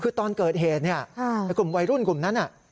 คือตอนเกิดเหตุเนี่ยไอ้กลุ่มวัยรุ่นกลุ่มนั้นน่ะ